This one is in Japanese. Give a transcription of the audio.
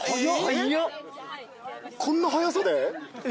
こんなはやさで？